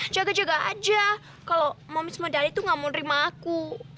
jaga jaga aja kalo momis modali tuh gak mau nerima aku